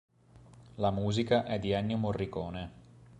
La musica è di Ennio Morricone.